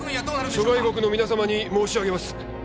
諸外国の皆様に申し上げます